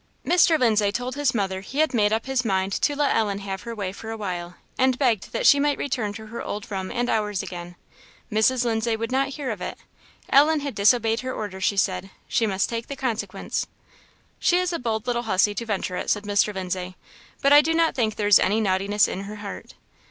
Mr. Lindsay told his mother he had made up his mind to let Ellen have her way for a while, and begged that she might return to her old room and hours again. Mrs. Lindsay would not hear of it. Ellen had disobeyed her orders, she said; she must take the consequence. "She is a bold little hussy, to venture it," said Mr. Lindsay, "but I do not think there is any naughtiness in her heart."